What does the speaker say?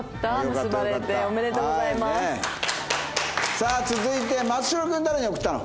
さあ続いて松代君誰に送ったの？